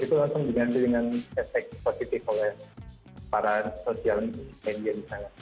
itu langsung diganti dengan efek positif oleh para social media misalnya